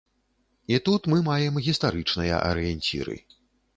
І тут мы маем гістарычныя арыенціры.